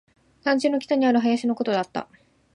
団地の北にある林のことだった